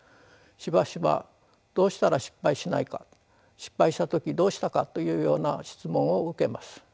しばしばどうしたら失敗しないか失敗した時どうしたかというような質問を受けます。